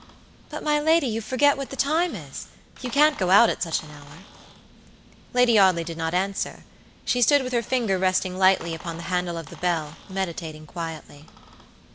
"But, my lady, you forget what the time is; you can't go out at such an hour." Lady Audley did not answer. She stood with her finger resting lightly upon the handle of the bell, meditating quietly.